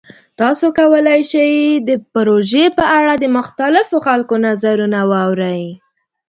تاسو کولی شئ د پروژې په اړه د مختلفو خلکو نظرونه واورئ.